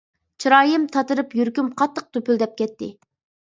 چىرايىم تاتىرىپ يۈرىكىم قاتتىق دۈپۈلدەپ كەتتى.